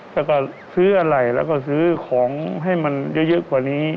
แล้วก็ซื้ออะไรแล้วก็ซื้อของให้มันเยอะกว่านี้